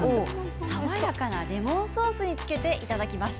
爽やかなレモンソースにつけていただきます。